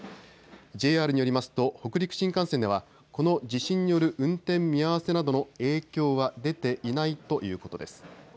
ＪＲによりますと北陸新幹線ではこの地震による運転見合わせなどの影響は出ていないということです。